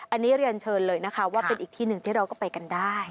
อันนี้เรียนเชิญเลยนะคะว่าเป็นอีกที่หนึ่งที่เราก็ไปกันได้